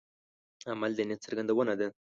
عمل د نیت څرګندونه ده.